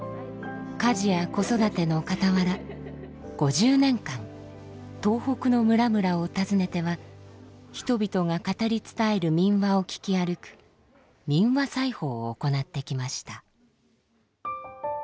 家事や子育ての傍ら５０年間東北の村々を訪ねては人々が語り伝える民話をきき歩く「民話採訪」を行ってきました。